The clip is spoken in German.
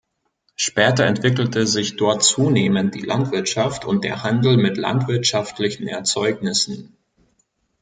Später entwickelte sich dort zunehmend die Landwirtschaft und der Handel mit landwirtschaftlichen Erzeugnissen.